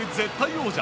王者